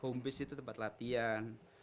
home base itu tempat latihan